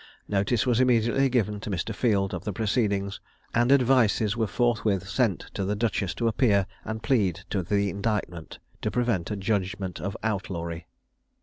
Notice was immediately given to Mr. Field of the proceedings, and advices were forthwith sent to the duchess to appear and plead to the indictment, to prevent a judgment of outlawry.